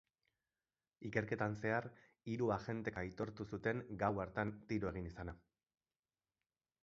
Ikerketan zehar, hiru agentek aitortu zuten gau hartan tiro egin izana.